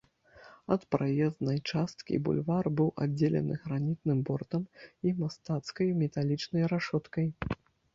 Ад праезнай часткі бульвар быў аддзелены гранітным бортам і мастацкай металічнай рашоткай.